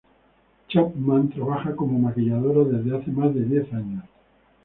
Chapman trabaja como maquilladora desde hace más de diez años.